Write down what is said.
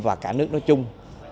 và cả nước nói chung